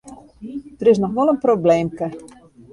Der is noch wol in probleemke.